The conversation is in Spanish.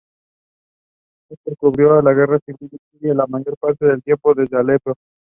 Naser cubrió la Guerra Civil Siria, la mayor parte del tiempo desde Alepo.